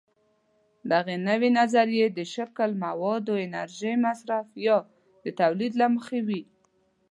دغه نوې نظریې د شکل، موادو، انرژۍ مصرف یا د تولید له مخې وي.